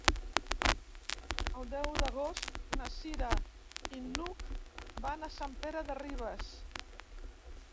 El deu d'agost na Cira i n'Hug van a Sant Pere de Ribes.